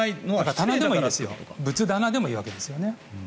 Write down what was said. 仏棚でもいいわけですよね。